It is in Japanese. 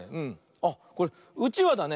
あっこれ「うちわ」だね。